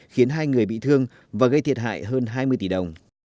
khiến hai người bị thương và gây thiệt hại hơn hai mươi tỷ đồng